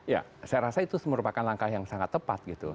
ya saya rasa itu merupakan langkah yang sangat tepat gitu